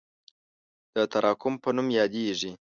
د تراکم په نوم یادیږي.